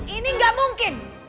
ini gak mungkin